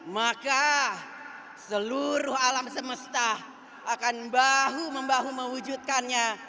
maka seluruh alam semesta akan bahu membahu mewujudkannya